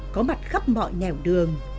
có mặt khắp mọi nẻo đường